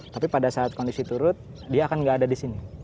tapi pada saat kondisi turut dia akan nggak ada di sini